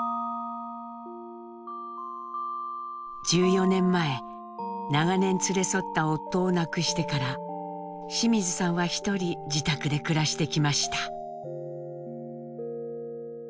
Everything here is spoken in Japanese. １４年前長年連れ添った夫を亡くしてから清水さんはひとり自宅で暮らしてきました。